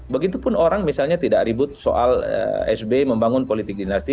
begitupun orang misalnya tidak ribut soal sby membangun politik dinasti